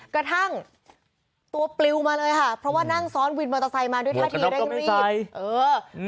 กระทั่งตัวปลิวมาเลยค่ะเพราะว่านั่งซ้อนวินมอเตอร์ไซค์มาด้วยท่าทีเร่งรีบ